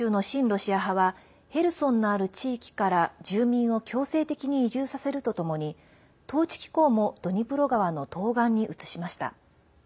ロシア派はヘルソンのある地域から住民を強制的に移住させるとともに統治機構も、ドニプロ川の東岸に移しました。